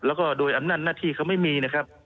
แล้วก็โดยอำนาจหน้าที่เขาไม่มีนะครับ